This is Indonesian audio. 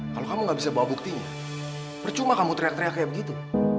kalau kamu gak bisa bawa buktinya percuma kamu teriak teriak kayak begitu